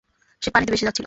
সে পানিতে ভেসে যাচ্ছিল।